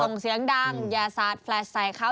ส่งเสียงดังอย่าสาดแลสใส่เขา